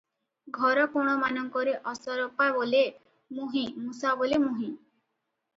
ଘର କୋଣମାନଙ୍କରେ ଅସରପା ବୋଲେ -ମୁହିଁ, ମୂଷା ବୋଲେ- ମୁହିଁ ।